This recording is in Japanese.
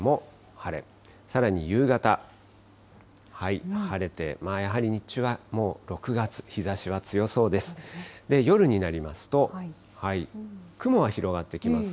晴れて、やはり日中はもう６月、日ざしは強そうです。